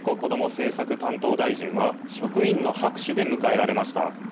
政策担当大臣は職員の拍手で迎えられました。